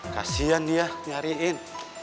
kesian dia nyariin